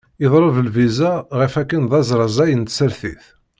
Yeḍleb lviza ɣef akken d azrazaɣ n tsertit.